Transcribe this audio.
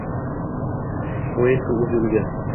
O‘yin-ku o‘z yo‘liga.